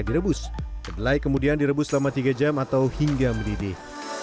direbus kedelai kemudian direbus selama tiga jam atau hingga mendidih